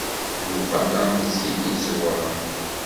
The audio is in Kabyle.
Yuba d amzil iẓewren.